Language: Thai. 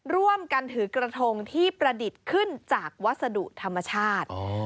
ร่วมกันถือกระทงที่ประดิษฐ์ขึ้นจากวัสดุธรรมชาติ